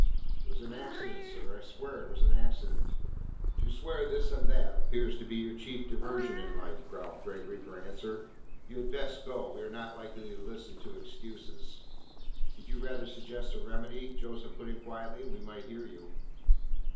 "It was an accident, sir. I swear it was an accident!" "To swear this and that appears to be your chief diversion in life," growled Gregory for answer. "You had best go; we are not likely to listen to excuses." "Did you rather suggest a remedy," Joseph put in quietly, "we might hear you."